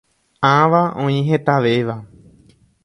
Ãva oĩ hetavéva.